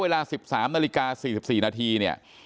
๑๓นาฬิกา๔๔นาทีเนี่ย